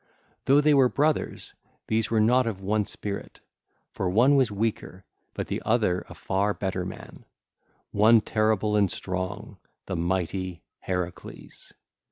Though they were brothers, these were not of one spirit; for one was weaker but the other a far better man, one terrible and strong, the mighty Heracles.